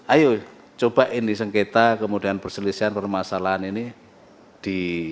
ayo coba ini sengketa kemudian perselisihan permasalahan ini di